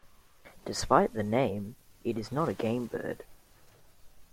Despite the name, it is not a game bird.